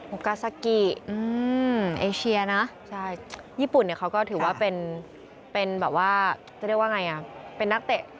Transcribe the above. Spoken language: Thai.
โอกาซากิเอเชียนะญี่ปุ่นเขาก็ถือว่าเป็นจะเรียกว่าอย่างไรเป็นนักเตะ